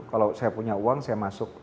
kalau saya punya uang saya masuk beli tiket